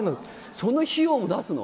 その費用も出すの？